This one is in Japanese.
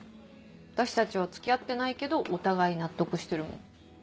私たちは付き合ってないけどお互い納得してるもん。